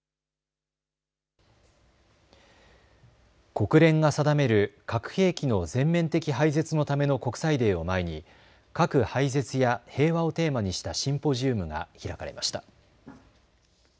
国連が定める核兵器の全面的廃絶のための国際デーを前に核廃絶や平和をテーマにしたシンポジウムが開かれました。